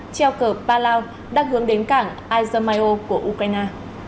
treo cờ palau đang hướng đến cảng izmaeo của ukraine